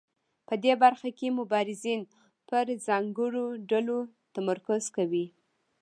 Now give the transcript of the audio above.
په دې برخه کې مبارزین پر ځانګړو ډلو تمرکز کوي.